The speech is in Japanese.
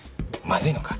まずいのか？